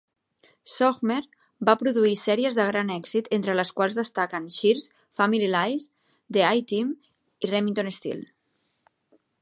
Sohmer va produir sèries de gran èxit, entre les quals destaquen "Cheers", "Family Lies", "The A-Team" i "Remington Steele".